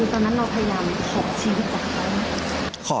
ตอนนั้นเราพยายามขอชีวิตจากเขา